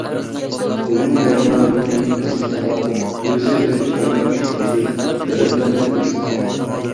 ئۇنىڭ پەيغەمبەرلىكىنىڭ راستلىقىغا ئۆزى ئېلىپ كەلگەن كىتابتىن دەلىللەرنى كۆرسەتتى.